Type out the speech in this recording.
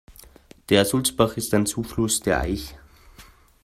Der Sulzbach ist ein Zufluss der Aich.